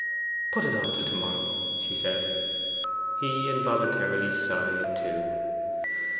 'Put it off till to morrow,' she said. He involuntarily sighed too.